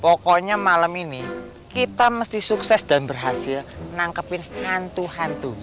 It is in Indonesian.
pokoknya malam ini kita mesti sukses dan berhasil menangkapin hantu hantu